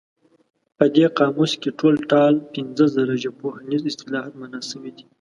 په دې قاموس کې ټول ټال پنځه زره ژبپوهنیز اصطلاحات مانا شوي دي.